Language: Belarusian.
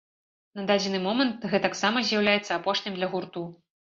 На дадзены момант гэтаксама з'яўляецца апошнім для гурту.